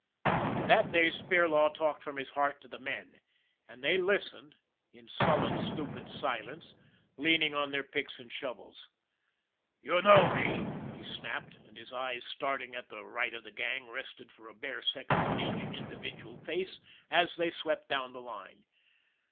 That day Spirlaw talked from his heart to the men, and they listened in sullen, stupid silence, leaning on their picks and shovels. " You know me," he snapped, and his eyes starting at the right of the group rested for a bare second on each individual face as they swept down the line.